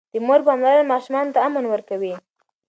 د مور پاملرنه ماشوم ته امن ورکوي.